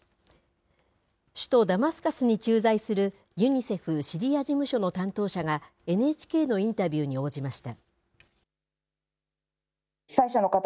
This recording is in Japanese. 首都ダマスカスに駐在するユニセフ・シリア事務所の担当者が、ＮＨＫのインタビューに応じました。